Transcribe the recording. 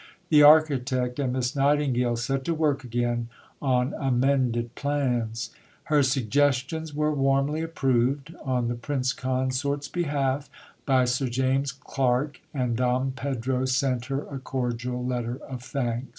The architect and Miss Nightingale set to work again on amended plans. Her suggestions were warmly approved, on the Prince Consort's behalf, by Sir James Clark, and Dom Pedro sent her a cordial letter of thanks.